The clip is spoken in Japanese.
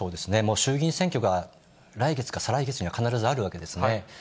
衆議院選挙が来月か再来月には必ずあるわけですね。